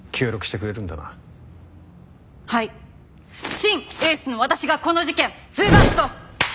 シン・エースの私がこの事件ズバッと。